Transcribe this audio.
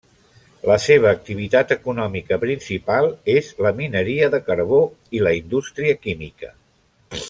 La seva activitat econòmica principal és la mineria de carbó i la indústria química.